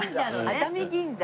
熱海銀座。